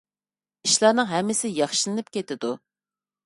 ئىشلارنىڭ ھەممىسى ياخشىلىنىپ كېتىدۇ.